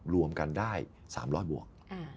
รวมกันได้๓๐๐บวก